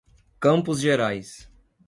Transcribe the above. Campos Gerais